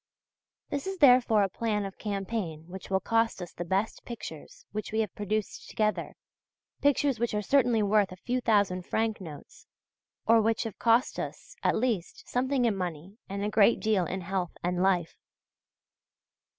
This is therefore a plan of campaign which will cost us the best pictures which we have produced together, pictures which are certainly worth a few thousand franc notes, or which have cost us, at least, something in money and a great deal in health and life.